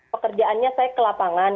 pekerjaannya saya ke lapangan